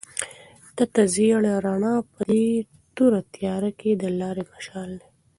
تته زېړه رڼا په دې توره تیاره کې د لارې مشال دی.